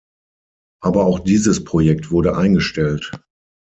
Aber auch dieses Projekt wurde eingestellt.